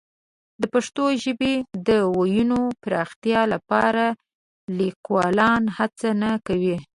د پښتو ژبې د وییونو پراختیا لپاره لیکوالان هڅه نه کوي.